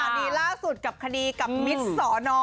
นี่ล่าสุดกับคดีกับมิสสน